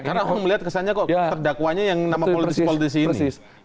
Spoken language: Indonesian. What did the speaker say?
karena orang melihat kesannya kok terdakwanya yang nama politisi politisinya